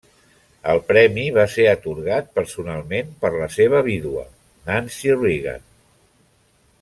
El premi va ser atorgat personalment per la seva vídua, Nancy Reagan.